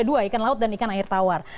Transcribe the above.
dua ikan laut dan ikan air tawar